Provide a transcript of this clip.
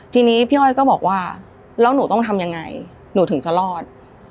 ทีนี้พี่อ้อยก็บอกว่าแล้วหนูต้องทำยังไงหนูถึงจะรอด